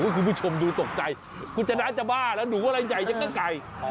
คุณผู้ชมดูตกใจคุณชนะจะบ้าแล้วหนูอะไรใหญ่ยังก็ไก่